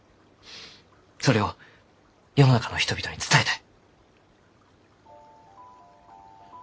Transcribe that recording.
それを世の中の人々に伝えたい。